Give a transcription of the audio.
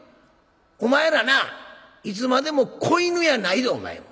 お前らないつまでも子犬やないぞお前。